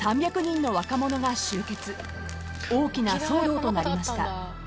［大きな騒動となりました］